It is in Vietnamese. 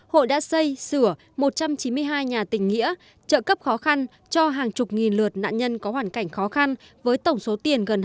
hội đã xây sửa một trăm chín mươi hai nhà tình nghĩa trợ cấp khó khăn cho hàng chục nghìn lượt nạn nhân có hoàn cảnh khó khăn với tổng số tiền gần hai mươi